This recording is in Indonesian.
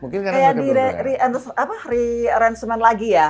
kayak di re arrangement lagi ya